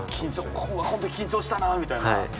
この時緊張したなみたいな。